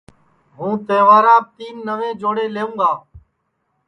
ہوں تہواراپ تین نئوے جوڑے لئوں گا